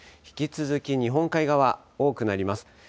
引き続き日本海側、多くなります。